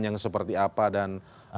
yang seperti apa dan